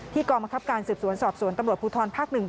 กองบังคับการสืบสวนสอบสวนตำรวจภูทรภาค๑